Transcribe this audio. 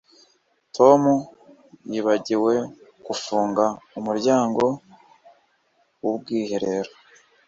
Tom yibagiwe gufunga umuryango wubwiherero